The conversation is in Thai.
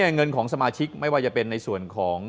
เงินของสมาชิกไม่ว่าจะเป็นในส่วนของ